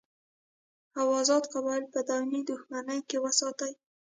او ازاد قبایل په دایمي دښمنۍ کې وساتي.